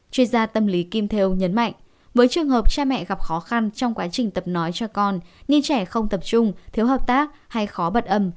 chuyên gia tâm lý kim theo nhấn mạnh với trường hợp cha mẹ gặp khó khăn trong quá trình tập nói cho con như trẻ không tập trung thiếu hợp tác hay khó bật âm